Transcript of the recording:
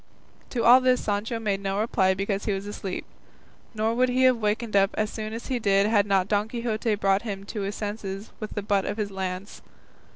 To all this Sancho made no reply because he was asleep, nor would he have wakened up so soon as he did had not Don Quixote brought him to his senses with the butt of his lance.